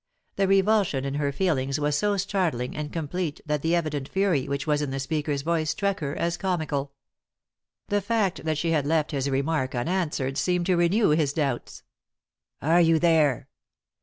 The revulsion in her feelings was so startling and complete that the evident fury which was in the speaker's voice struck her as comical. The fact that she had left his remark unanswered seemed to renew his doubts. " Are you there